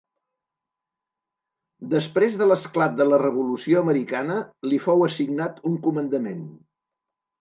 Després de l'esclat de la Revolució Americana li fou assignat un comandament.